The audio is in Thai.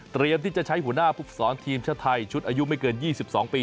เตรียมที่จะใช้หัวหน้าผู้สอนทีมชาวไทยชุดอายุไม่เกิน๒๒ปี